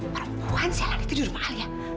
perempuan sialan itu di rumah alia